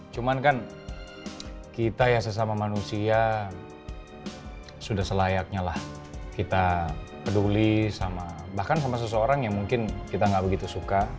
cuman kan kita ya sesama manusia sudah selayaknya lah kita peduli sama bahkan sama seseorang yang mungkin kita nggak begitu suka